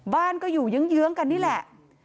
บ้านก็อยู่เยื้องกันนี่แหละ